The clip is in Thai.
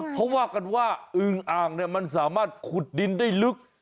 เขาว่ากันว่าอึงอ่างเนี่ยมันสามารถขุดดินได้ลึก